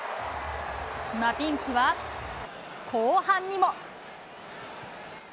マピンピは、後半にも。